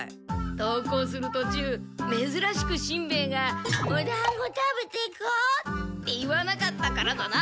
登校するとちゅうめずらしくしんべヱが「おだんご食べていこう」って言わなかったからだな。